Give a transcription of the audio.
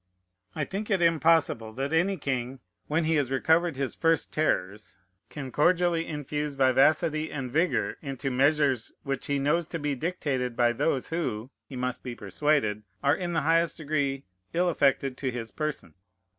I think it impossible that any king, when he has recovered his first terrors, can cordially infuse vivacity and vigor into measures which he knows to be dictated by those who, he must be persuaded, are in the highest degree ill affected to his person.